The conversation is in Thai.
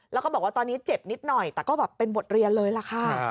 แล้วก็บอกว่าตอนนี้เจ็บนิดหน่อยแต่ก็แบบเป็นบทเรียนเลยล่ะค่ะ